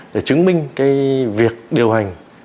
để chứng minh việc điều hành